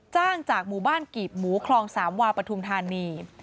จ้างจากหมู่บ้านกีบหมูคลองสามวาปฐุมธานี